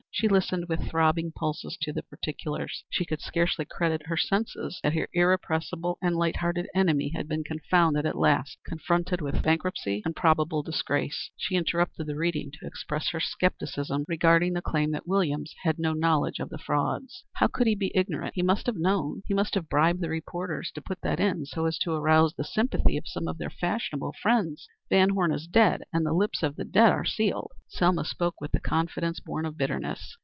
She listened with throbbing pulses to the particulars. She could scarcely credit her senses that her irrepressible and light hearted enemy had been confounded at last confronted with bankruptcy and probable disgrace. She interrupted the reading to express her scepticism regarding the claim that Williams had no knowledge of the frauds. "How could he be ignorant? He must have known. He must have bribed the reporters to put that in so as to arouse the sympathy of some of their fashionable friends. Van Horne is dead, and the lips of the dead are sealed." Selma spoke with the confidence born of bitterness.